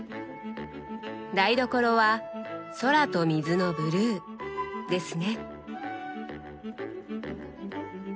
台所は空と水のブルーですね。